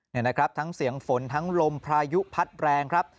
นี่นะครับทั้งเสียงฝนทั้งลมพายุพัดแรงครับ